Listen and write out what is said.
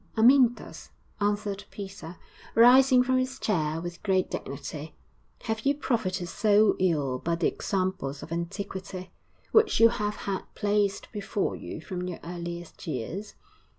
'Amyntas,' answered Peter, rising from his chair with great dignity, 'have you profited so ill by the examples of antiquity, which you have had placed before you from your earliest years?